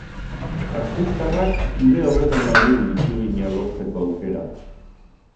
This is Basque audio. Gasteiztarrak une horretan galdu du ikurrina lortzeko aukera.